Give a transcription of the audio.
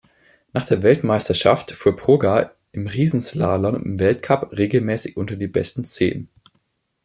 Nach der Weltmeisterschaft fuhr Prugger im Riesenslalom im Weltcup regelmäßig unter die besten zehn.